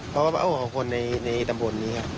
เพราะว่าเอาของคนในตำบลนี้ครับ